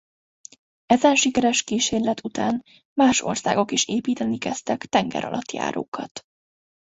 Ezen sikeres kísérlet után más országok is építeni kezdtek tengeralattjárókat.